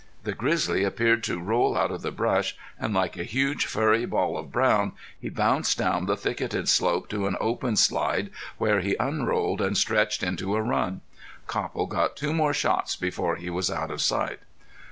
The grizzly appeared to roll out of the brush, and like a huge furry ball of brown, he bounced down the thicketed slope to an open slide where he unrolled, and stretched into a run. Copple got two more shots before he was out of sight.